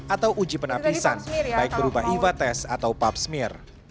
atau uji penapisan baik berubah iva tes atau papsmir